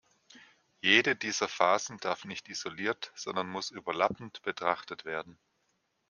Jede dieser Phasen darf nicht isoliert, sondern muss überlappend, betrachtet werden.